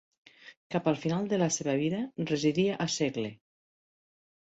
Cap al final de la seva vida, residia a Segle.